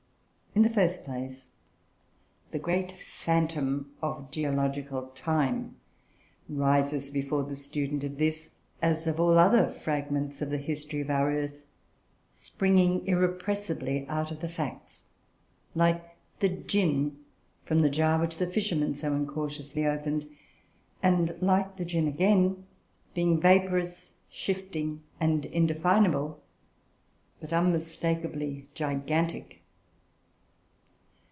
In the first place, the great phantom of geological time rises before the student of this, as of all other, fragments of the history of our earth springing irrepressibly out of the facts, like the Djin from the jar which the fishermen so incautiously opened; and like the Djin again, being vaporous, shifting, and indefinable, but unmistakably gigantic.